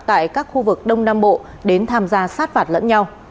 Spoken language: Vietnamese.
tại các khu vực đông nam bộ đến tham gia sát phạt lẫn nhau